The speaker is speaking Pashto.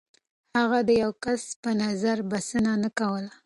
هغه د يو کس پر نظر بسنه نه کوله.